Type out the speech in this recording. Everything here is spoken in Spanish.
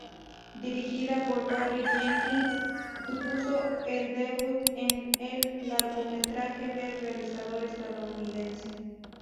Dirigida por Barry Jenkins supuso el debut en el largometraje del realizador estadounidense.